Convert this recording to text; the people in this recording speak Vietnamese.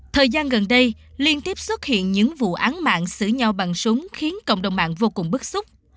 thời gian gần đây liên tiếp xuất hiện những vụ án mạng xử nhau bằng súng khiến cộng đồng mạng vô cùng bức xúc